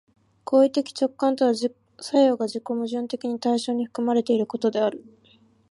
行為的直観とは作用が自己矛盾的に対象に含まれていることである。